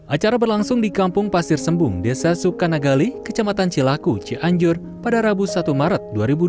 acara berlangsung di kampung pasir sembung desa sukanagali kecamatan cilaku cianjur pada rabu satu maret dua ribu dua puluh